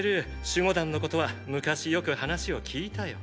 守護団のことは昔よく話を聞いたよ。